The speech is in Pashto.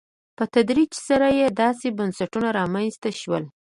په تدریج سره داسې بنسټونه رامنځته شول.